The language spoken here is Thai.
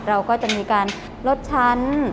เราก็จะมีการลดชั้น